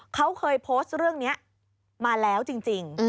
เขาเคยโพสต์เรื่องนี้มาแล้วจริง